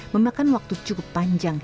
memakan waktu cukup panjang